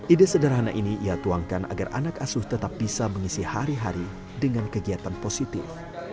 ide sederhana ini ia tuangkan agar anak asuh tetap bisa mengisi hari hari dengan kegiatan positif